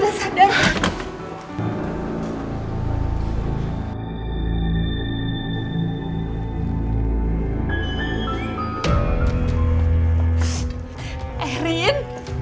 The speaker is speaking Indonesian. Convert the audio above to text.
guys aja udah sadar